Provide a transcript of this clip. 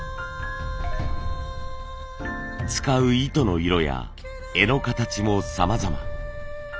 使う糸の色や柄の形もさまざま。